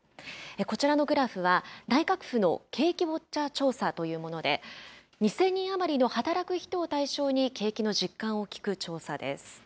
こちらのグラフは、内閣府の景気ウォッチャー調査というもので、２０００人余りの働く人を対象に景気の実感を聞く調査です。